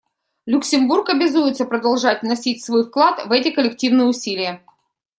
Люксембург обязуется продолжать вносить свой вклад в эти коллективные усилия.